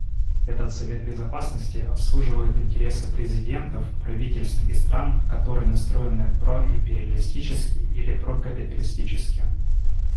Этот Совет Безопасности обслуживает интересы президентов, правительств и стран, которые настроены проимпериалистически или прокапиталистически.